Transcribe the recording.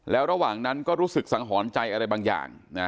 แล้วระหว่างนั้นก็รู้สึกสังหรณ์ใจอะไรบางอย่าง